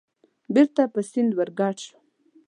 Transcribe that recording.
بېرته په سیند ورګډ شوم.